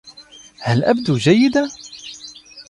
هل أبدو جيّدة؟